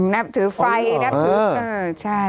นับถือไฟนับถือใช่